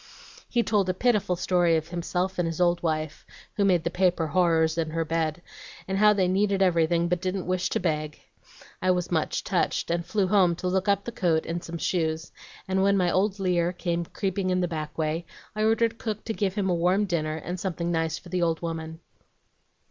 He told a pitiful story of himself and his old wife, who made the paper horrors in her bed, and how they needed everything, but didn't wish to beg. I was much touched, and flew home to look up the coat and some shoes, and when my old Lear came creeping in the back way, I ordered cook to give him a warm dinner and something nice for the old woman.